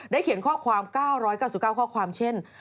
เขียนข้อความ๙๙๙ข้อความเช่น